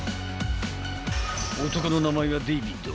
男の名前はデイビッド